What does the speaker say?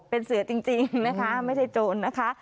เป็นเสือจริงนะคะไม่ใช่โจรนะคะ